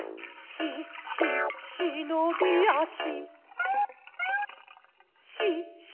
「し・し・しのびあし」